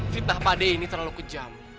fitnah pak d ini terlalu kejam